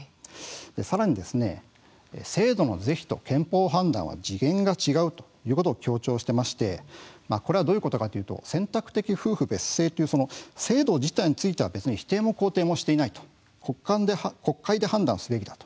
さらに制度の是非と憲法判断は次元が違うということを強調していましてこれはどういうことかというと選択的夫婦別姓という制度自体については否定も肯定もしていない国会で判断すべきだと。